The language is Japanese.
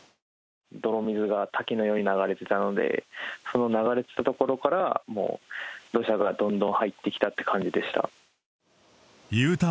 泥水が滝のように流れてたので、その流れてた所から、もう土砂がどんどん入ってきたという感じでした。